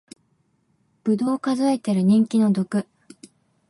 ぶどう数えてる人気の毒